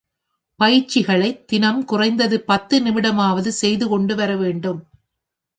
பயிற்சிகளைத் தினம் குறைந்தது பத்து நிமிடமாவது செய்து கொண்டு வர வேண்டும்.